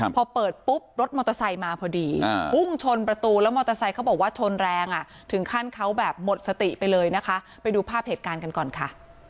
พอเปิดปุ๊บรถมอเตอร์ไซค์มาพอดีพุ่งชนประตูแล้วมอเตอร์ไซค์เขาบอกว่าชนแรงอ่ะถึงขั้นเขาแบบหมดสติไปเลยนะคะไปดูภาพเหตุการณ์กันก่อนค่ะ